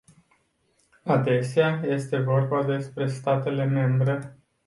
Adesea este vorba despre statele membre.